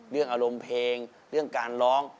เรื่องอารมณ์เพลงเรื่องการร้อง